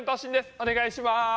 お願いします。